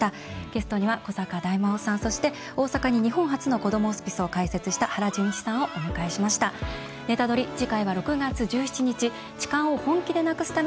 ゲストには古坂大魔王さんそして、大阪に日本初のこどもホスピスを開設した原純一さんをお迎えしました。